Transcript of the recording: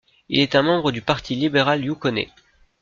Il est un membre du Parti libéral yukonnais.